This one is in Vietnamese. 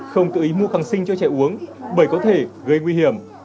không tự ý mua kháng sinh cho trẻ uống bởi có thể gây nguy hiểm